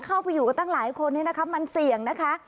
เข้าไปอยู่กันตั้งหลายคนเนี่ยนะคะมันเสี่ยงนะคะ